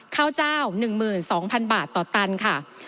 ข้าวเจ้า๑๒๐๐๐บาทต่อตันค่ะ